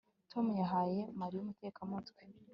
Tom yahaye Mariya umutekamutwe